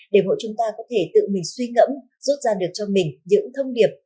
để mỗi chúng ta có thể tự mình suy ngẫm rút ra được cho mình những thông điệp